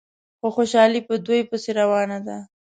خو خوشحالي په دوی پسې روانه ده.